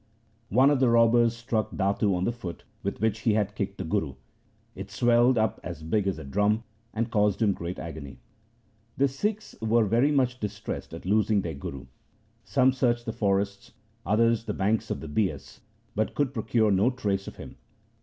One of the robbers struck Datu on the foot with which he had kicked the Guru. It swelled up as big as a drum, and caused him great agony. The Sikhs were very much distressed at losing their Guru. Some searched the forests, others the banks of the Bias, but could procure no trace of him.